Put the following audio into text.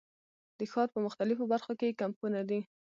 د ښار په مختلفو برخو کې یې کمپونه دي.